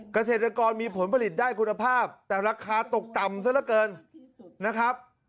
เกษตรกรมีผลผลิตได้คุณภาพแต่ราคาตกต่ำซะละเกินนะครับ